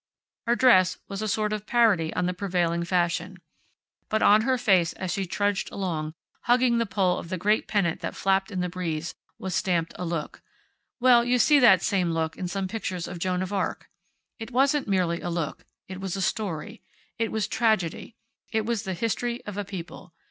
Her dress was a sort of parody on the prevailing fashion. But on her face, as she trudged along, hugging the pole of the great pennant that flapped in the breeze, was stamped a look. well, you see that same look in some pictures of Joan of Arc. It wasn't merely a look. It was a story. It was tragedy. It was the history of a people.